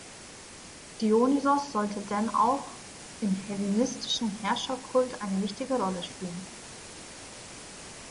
Dionysos sollte denn auch im hellenistischen Herrscherkult eine wichtige Rolle spielen.